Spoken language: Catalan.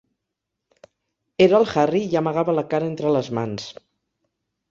Era el Harry i amagava la cara entre les mans.